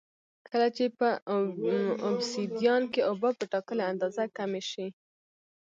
کله چې په اوبسیدیان کې اوبه په ټاکلې اندازه کمې شي